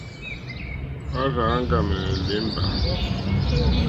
Hwá rzà áŋɡàmɛ̀nɛ̀ lěmbà.